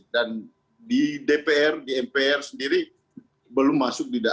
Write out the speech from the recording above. dan di dpr di mpr sendiri belum masuk